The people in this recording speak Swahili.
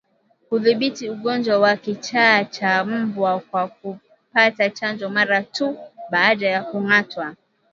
Kudhibiti ugonjwa wa kichaa cha mbwa kwa kupata chanjo mara tu baada ya kungatwa